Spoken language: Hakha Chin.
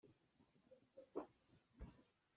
Tanglei a sawh.